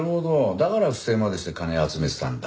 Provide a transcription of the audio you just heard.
だから不正までして金を集めてたんだ。